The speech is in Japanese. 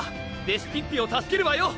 レシピッピを助けるわよ！